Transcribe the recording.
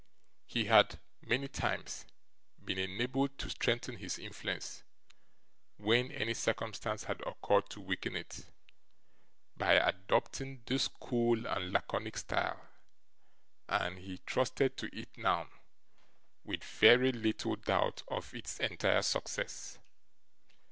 He had, many times, been enabled to strengthen his influence, when any circumstance had occurred to weaken it, by adopting this cool and laconic style; and he trusted to it now, with very little doubt of its entire success.